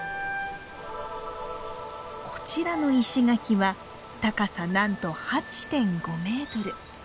こちらの石垣は高さなんと８．５メートル。